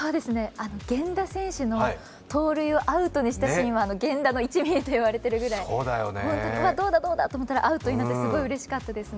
源田選手の盗塁をアウトにしたシーンは、源田の１ミリと言われているくらいどうだ、どうだとなっていたらアウトになって、すごいうれしかったですね。